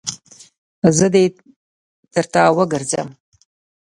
زه دې تر تا وګرځم.